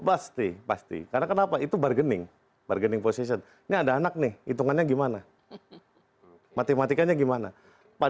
pasti pasti karena kenapa itu bargaining bargaining position ini ada anak nih hitungannya gimana matematikanya gimana pak